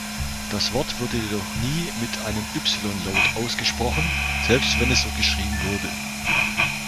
Das Wort wurde jedoch nie mit einem „y“-Laut ausgesprochen, selbst wenn es so geschrieben wurde.